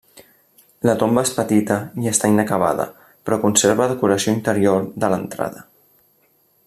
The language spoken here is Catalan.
La tomba és petita i està inacabada, però conserva decoració interior de l'entrada.